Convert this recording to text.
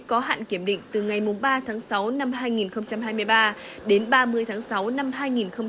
có hạn kiểm định từ ngày ba tháng sáu năm hai nghìn hai mươi ba đến ba mươi tháng sáu năm hai nghìn hai mươi bốn